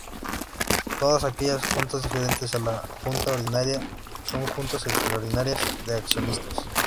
Todas aquellas Juntas diferentes a la Junta Ordinaria son Juntas Extraordinarias de Accionistas.